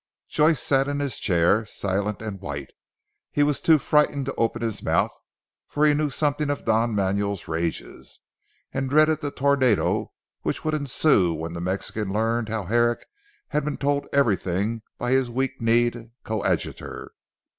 Joyce sat in his chair silent and white. He was too frightened to open his mouth for he knew something of Don Manuel's rages, and dreaded the tornado which would ensue when the Mexican learned how Herrick had been told everything by his weak kneed coadjutor.